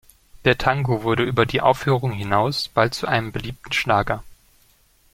Der Tango wurde über die Aufführung hinaus bald zu einem beliebten Schlager.